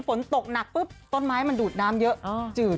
ฝนตกหนักปุ๊บต้นไม้มันดูดน้ำเยอะจืด